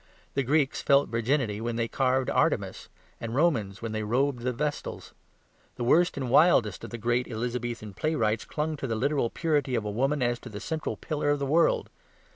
The Greeks felt virginity when they carved Artemis, the Romans when they robed the vestals, the worst and wildest of the great Elizabethan playwrights clung to the literal purity of a woman as to the central pillar of the world.